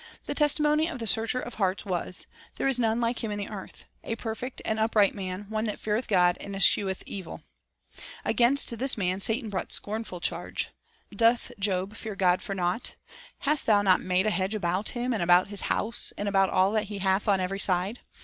Of Job, the patriarch of Uz, the testimony of the Searcher of hearts was, " There is none like him in the earth, a perfect and an upright man, one that feareth God, and escheweth evil." Against this man, Satan brought scornful charge: " Doth Job fear God for naught? Hast Thou not made a hedge about him, and about his house, and about all that he hath on every side?